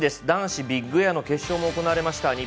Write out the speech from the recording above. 男子ビッグエアの決勝も行われました。